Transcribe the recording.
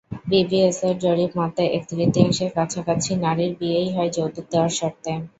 বিবিএসের জরিপমতে, এক তৃতীয়াংশের কাছাকাছি নারীর বিয়েই হয় যৌতুক দেওয়ার শর্তে।